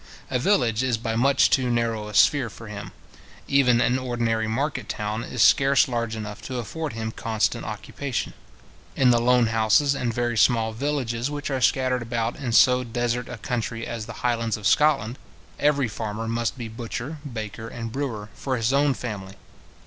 A village is by much too narrow a sphere for him; even an ordinary market town is scarce large enough to afford him constant occupation. In the lone houses and very small villages which are scattered about in so desert a country as the highlands of Scotland, every farmer must be butcher, baker, and brewer, for his own family.